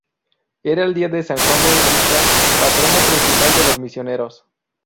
Era el día de San Juan Bautista patrono principal de los misioneros.